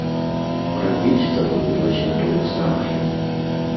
Рабіць даводзілася тое самае.